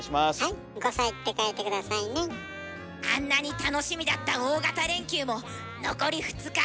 あんなに楽しみだった大型連休も残り２日。